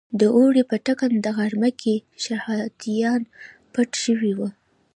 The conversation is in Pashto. د اوړي په ټکنده غرمه کې شهادیان پټ شوي وو.